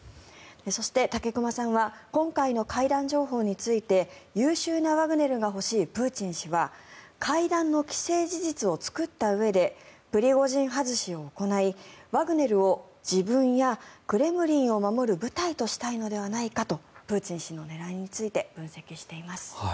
そして武隈さんは今回の会談情報について優秀なワグネルが欲しいプーチン氏は会談の既成事実を作ったうえでプリゴジン外しを行いワグネルを自分やクレムリンを守る部隊としたいのではないかとプーチン氏の狙いについて分析しています。